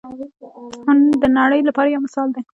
هند د نړۍ لپاره یو مثال دی.